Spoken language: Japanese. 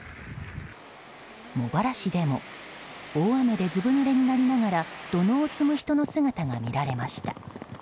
茂原市でも大雨でずぶぬれになりながら土のうを積む人の姿が見られました。